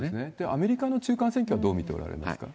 アメリカの中間選挙はどう見ておられますか？